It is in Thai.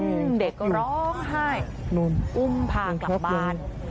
ซึ่งเด็กก็ร้องให้อุ้มพากลับบ้าน